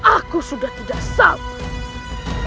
aku sudah tidak sabar